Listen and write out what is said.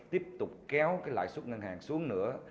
tiếp tục kéo lợi nhuận ngân hàng xuống nữa